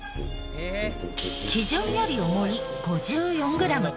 基準より重い５４グラム。